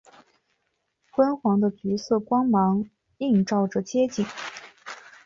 昏黄的橘色光芒映照着街景